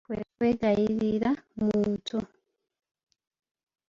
Kwe kwegayirira muntu.